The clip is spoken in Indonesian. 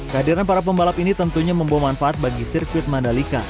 kehadiran para pembalap ini tentunya membawa manfaat bagi sirkuit mandalika